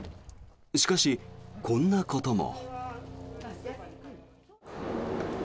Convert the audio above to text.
しかし、こんなことも。